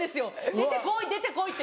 出て来い出て来いって。